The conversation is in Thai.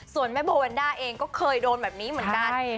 ส่วนแม่โบวันด้าเองก็เคยโดนแบบนี้เหมือนกัน